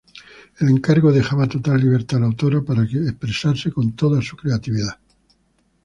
El encargo dejaba total libertad a la autora para expresarse con todo su creatividad.